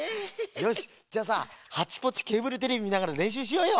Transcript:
よしじゃあさハッチポッチケーブルテレビみながられんしゅうしようよ。